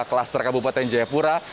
kluster kabupaten jayapura